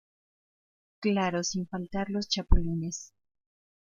Claro sin faltar los chapulines.